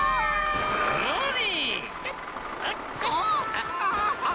すごい。